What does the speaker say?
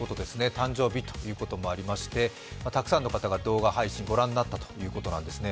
誕生日ということもありまして、たくさんの方が動画配信、ご覧になったということなんですね。